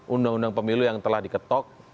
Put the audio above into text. undang undang pemilu yang telah diketok